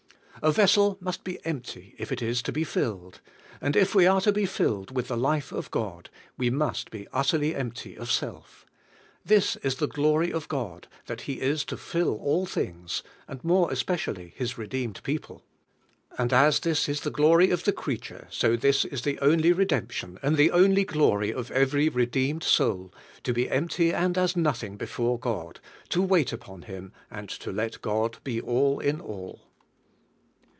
A vessel must be empty if it is to be filled, and if we are to be filled with the life of God we must be utterly empty of self. This is the glory of God, that He is to fill all things, and more especial)}^ His redeemed people. And as this is the glory of the creature, so this is CHRIST S IIUMIUTY OUR SALVATION 03 the only redemption, and the only glory of every redeemed soul, to be empty and as nothing before God; to wait upon Him, and to let God be all in all.